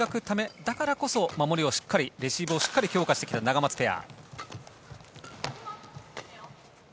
だからこそ守りをしっかりレシーブをしっかり強化してきたナガマツペア。